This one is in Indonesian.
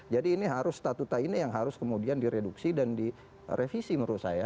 jadi ini harus statuta ini yang harus kemudian direduksi dan direvisi menurut saya